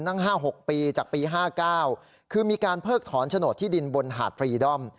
ตั้งห้าหกปีจากปีห้าเก้าคือมีการเพิกถอนโฉนดที่ดินบนหาดฟรีดอม